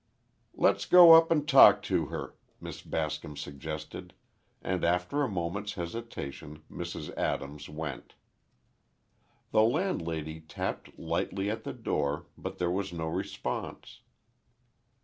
"Let's go up and talk to her," Miss Bascom suggested, and after a moment's hesitation, Mrs. Adams went. The landlady tapped lightly at the door, but there was no response.